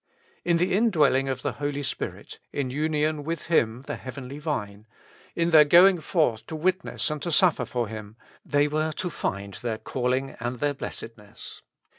In the indwelling of the Holy Spirit, in union with Him the heavenly Vine, in their going forth to witness and to suffer for Him, they were to find their calling and their blessedness.